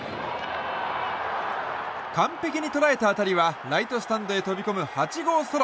完璧に捉えた当たりはライトスタンドへ飛び込む８号ソロ。